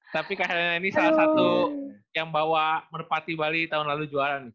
tapi karena ini salah satu yang bawa merpati bali tahun lalu jualan